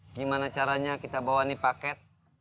gimana caranya kita bawa nih paket